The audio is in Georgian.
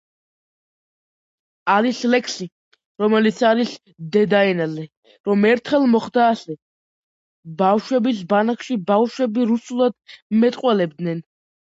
არის ლექსი რომელიც არის დედაენაზე , რომ ერთხელ მოხდა ასე, ბავშვების ბანაკში ბავშვები რუსულად მეტყველებდნენნ